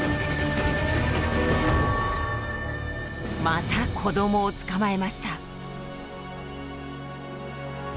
また子どもを捕まえました。